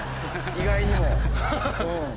意外にも。